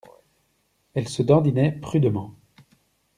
Elle se dandinait prudemment.